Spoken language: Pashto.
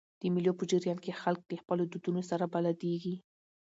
د مېلو په جریان کښي خلک له خپلو دودونو سره بلديږي.